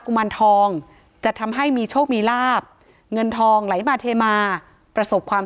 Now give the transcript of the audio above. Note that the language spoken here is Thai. ุมารทองจะทำให้มีโชคมีลาบเงินทองไหลมาเทมาประสบความ